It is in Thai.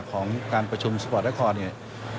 ของการประชุมสปอร์ตแอคคอร์ดนี่